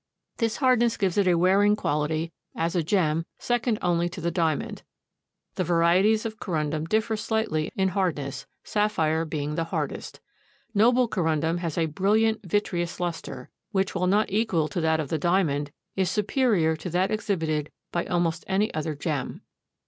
This hardness gives it a wearing quality as a gem second only to the diamond. The varieties of Corundum differ slightly in hardness, sapphire being the hardest. Noble Corundum has a brilliant, vitreous luster, which, while not equal to that of the diamond, is superior to that exhibited by almost any other gem.